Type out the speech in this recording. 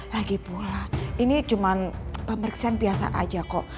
lagi pula ini cuma pemeriksaan biasa aja kok